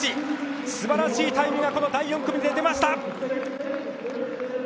すばらしいタイムがこの第４組で出ました！